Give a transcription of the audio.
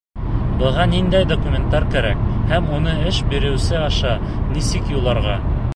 Быға ниндәй документтар кәрәк һәм уны эш биреүсе аша нисек юлларға?